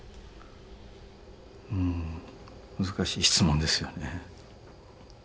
うん難しい質問ですよね。